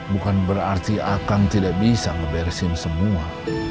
bukan berarti akang tidak bisa ngebersin semua